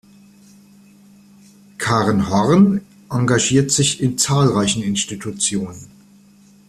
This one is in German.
Karen Horn engagiert sich in zahlreichen Institutionen.